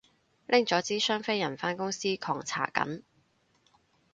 拎咗支雙飛人返公司狂搽緊